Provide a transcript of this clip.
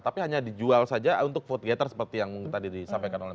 tapi hanya dijual saja untuk food getter seperti yang tadi disampaikan oleh